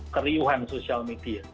keriuhan sosial media